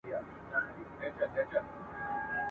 یوه ورځ غویی جلا سو له ګورمه ..